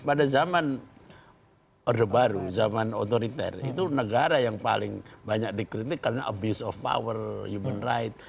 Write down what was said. pada zaman orde baru zaman otoriter itu negara yang paling banyak dikritik karena abuse of power human rights